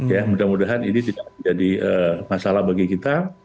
ya mudah mudahan ini tidak menjadi masalah bagi kita